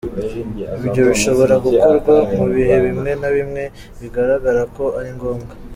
Ibyo bishobora gukorwa mu bihe bimwe na bimwe bigaragara ko ari ngombwa.